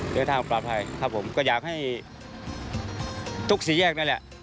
เดินทางปลอดภัยครับผมก็อยากให้ทุกสี่แยกนั่นแหละ